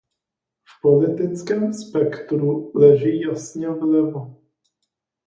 V politickém spektru leží jasně vlevo.